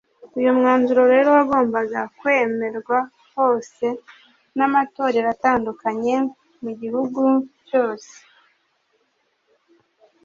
Uyu mwanzuro rero wagombaga kwemerwa hose n’amatorero atandukanye mu gihugu cyose.